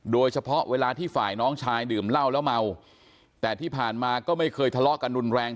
เวลาที่ฝ่ายน้องชายดื่มเหล้าแล้วเมาแต่ที่ผ่านมาก็ไม่เคยทะเลาะกันรุนแรง